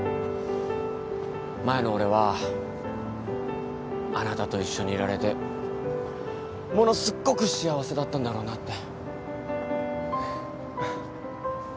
前の俺はあなたと一緒にいられてものすっごく幸せだったんだろうなって。